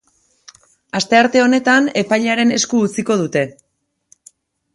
Astearte honetan, epailearen esku utziko dute.